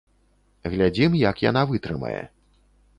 Глядзім, як яна вытрымае.